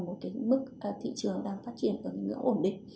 một cái mức thị trường đang phát triển ở cái ngưỡng ổn định